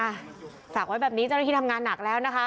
อ่ะฝากไว้แบบนี้เจ้าหน้าที่ทำงานหนักแล้วนะคะ